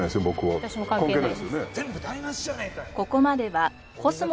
私も関係ないです。